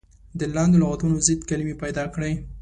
د لاندې لغتونو ضد کلمې پيداکړئ.